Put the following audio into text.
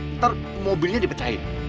ntar mobilnya dipecahin